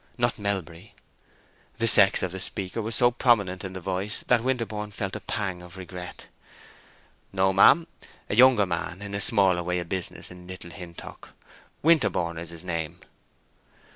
Not Melbury?" The sex of the speaker was so prominent in the voice that Winterborne felt a pang of regret. "No, ma'am. A younger man, in a smaller way of business in Little Hintock. Winterborne is his name."